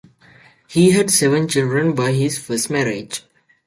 He had seven children by his first marriage.